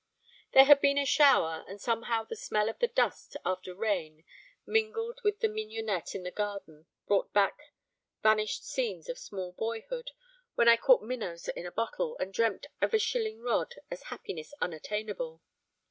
There had been a shower, and somehow the smell of the dust after rain mingled with the mignonette in the garden brought back vanished scenes of small boyhood, when I caught minnows in a bottle, and dreamt of a shilling rod as happiness unattainable.